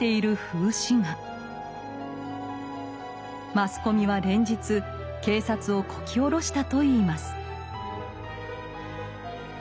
マスコミは連日警察をこき下ろしたといいます。